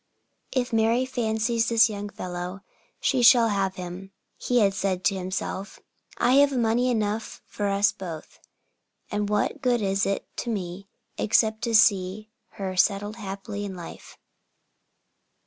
"If Mary fancies this young fellow, she shall have him," he had said to himself. "I have money enough for us both, and what good is it to me except to see her settled happily in life?"